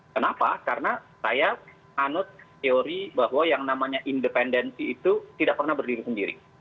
kenapa karena saya anut teori bahwa yang namanya independensi itu tidak pernah berdiri sendiri